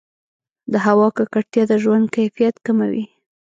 د هوا ککړتیا د ژوند کیفیت کموي.